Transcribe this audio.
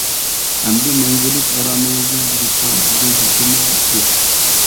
ئەمدى مەڭگۈلۈك ئارامىڭىزنى بۇزۇشقا بىزنىڭ ھەددىمىز يوق.